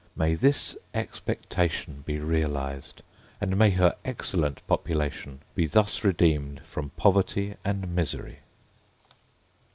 May this expectation be realised! and may her excellent population be thus redeemed from poverty and misery!